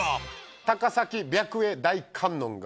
高崎白衣大観音が。